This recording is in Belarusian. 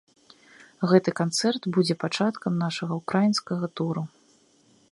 Гэты канцэрт будзе пачаткам нашага ўкраінскага туру.